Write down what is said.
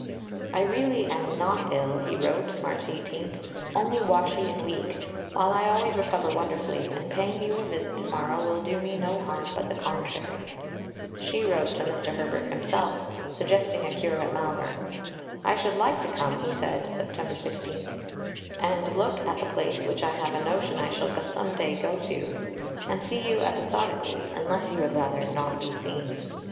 "I really am not ill," he wrote (March 18), "only washy and weak, while I always recover wonderfully, and paying you a visit to morrow will do me no harm but the contrary." She wrote to Mr. Herbert himself, suggesting a cure at Malvern. "I should like to come," he said (Sept. 16), "and look at the Place which I have a notion I shall some day go to, and see you episodically, unless you had rather not be seen."